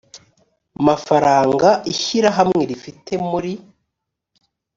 mafaranga ishyirahamwe rifite muri